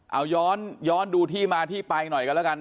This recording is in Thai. เอาย้อนดูที่มาที่ไปหน่อยกันแล้วกัน